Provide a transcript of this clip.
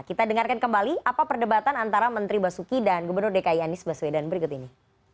kita dengarkan kembali apa perdebatan antara menteri basuki dan gubernur dki anies baswedan berikut ini